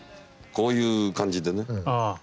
こういう感じでね。